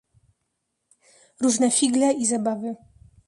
"Różne figle i zabawy."